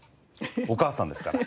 お母さんですから。